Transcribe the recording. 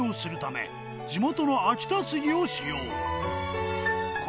地元の秋田杉を使用磴